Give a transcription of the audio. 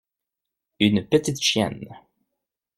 Une petite chienne.